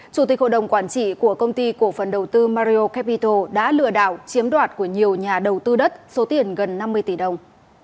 chủ tịch hội đồng quản trị của công ty cổ phần đầu tư mario capital đã lừa đảo chiếm đoạt của nhiều nhà đầu tư đất số tiền gần năm mươi tỷ đồng